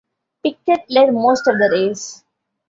Piquet led most of the race.